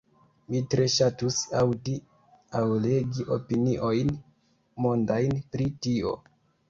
Mi tre ŝatus aŭdi aŭ legi opiniojn mondajn pri tio...